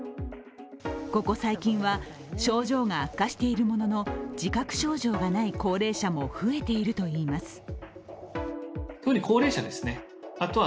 ここ最近は症状が悪化しているものの自宅症状がない高齢者も増えているといいます。